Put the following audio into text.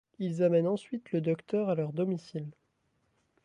Ils emmènent ensuite le Docteur à leur domicile.